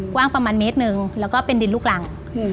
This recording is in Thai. กว้างประมาณเมตรหนึ่งแล้วก็เป็นดินลูกรัง